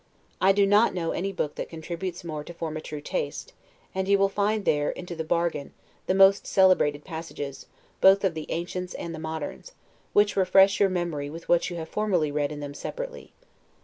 I do not know any book that contributes more to form a true taste; and you find there, into the bargain, the most celebrated passages, both of the ancients and the moderns, which refresh your memory with what you have formerly read in them separately.